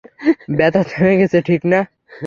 ব্যথা থেমে গেছে, ঠিক না।